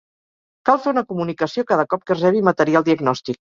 Cal fer una comunicació cada cop que es rebi material diagnòstic.